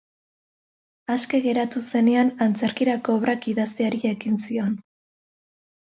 Aske geratu zenean antzerkirako obrak idazteari ekin zion.